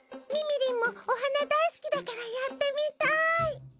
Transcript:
みみりんもお花大好きだからやってみたい。